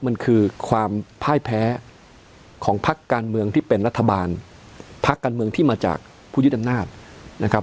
มันคือความพ่ายแพ้ของพักการเมืองที่เป็นรัฐบาลพักการเมืองที่มาจากผู้ยึดอำนาจนะครับ